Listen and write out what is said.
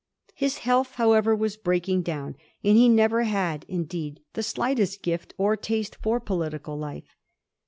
His health, however, was break ing down, and he never had indeed the slightest gift or taste for political life.